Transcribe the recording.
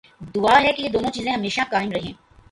دعا ہے کہ یہ دونوں چیزیں ہمیشہ قائم رہیں۔